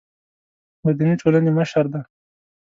مدني ټولنې مشر دی.